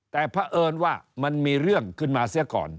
แต่เพราะเอิญว่ามันมีเรื่องขึ้นมาเสียก่อน